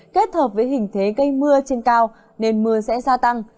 kết hợp với hình thế gây mưa trên cao nên mưa sẽ gia tăng